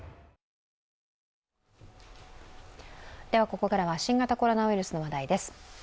ここからは新型コロナウイルスの話題です。